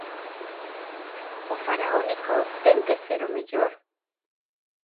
¿O faraónico ten que ser o mellor?